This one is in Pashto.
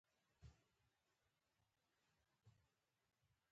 د بریا کلید د هغه څه کې دی چې تاسو پرې تکیه لرئ.